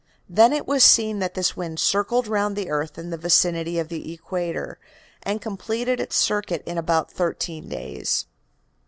Then it was seen that this wind circled round the earth in the vicinity of the equator, and completed its circuit in about thirteen days.